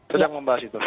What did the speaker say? sedang membahas itu